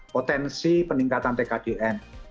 potensi peningkatan tkdn